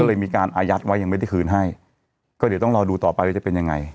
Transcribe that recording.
ก็เลยมีการอายัดไว้ยังไม่ได้คืนให้ก็เดี๋ยวต้องรอดูต่อไปว่าจะเป็นยังไง